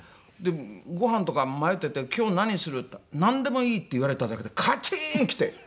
ごはんとか迷ってて「今日何にする？」って言ったら「なんでもいい」って言われただけでカチーンきて。